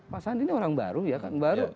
pak sandi ini orang baru ya kan baru